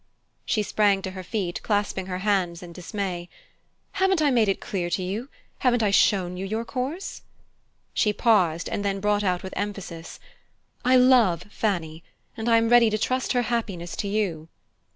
_" She sprang to her feet, clasping her hands in dismay. "Haven't I made it clear to you? Haven't I shown you your course?" She paused, and then brought out with emphasis: "I love Fanny, and I am ready to trust her happiness to you."